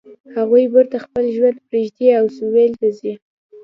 هغوی بیرته خپل ژوند پریږدي او سویل ته ځي